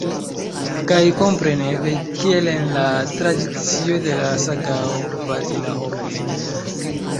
Kaj kompreneble, kiel en la tradicio de la sagao, bati la homojn.